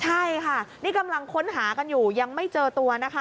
ใช่ค่ะนี่กำลังค้นหากันอยู่ยังไม่เจอตัวนะคะ